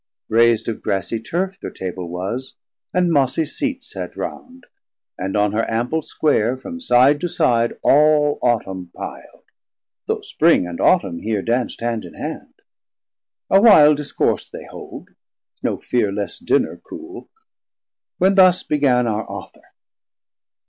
Rais'd of grassie terf Thir Table was, and mossie seats had round, And on her ample Square from side to side All Autumn pil'd, though Spring and Autumn here Danc'd hand in hand. A while discourse they hold; No fear lest Dinner coole; when thus began Our Authour.